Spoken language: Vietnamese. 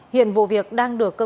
hiện vụ việc đang được cơ bản